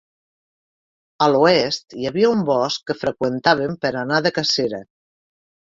A l'oest hi havia un bosc que freqüentaven per anar de cacera.